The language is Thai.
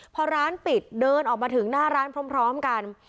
พอร้านปิดเดินออกมาถึงหน้าร้านพร้อมกัน